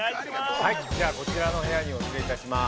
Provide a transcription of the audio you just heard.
◆はい、ではこちらの部屋にお連れいたします。